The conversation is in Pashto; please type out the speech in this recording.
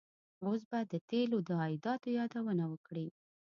اوس به د تیلو د عایداتو یادونه وکړي.